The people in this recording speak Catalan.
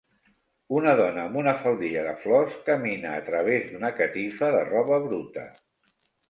Una dona amb una faldilla de flors camina a través d'una catifa de roba bruta